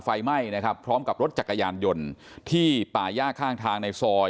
ไฟไหม้นะครับพร้อมกับรถจักรยานยนต์ที่ป่าย่าข้างทางในซอย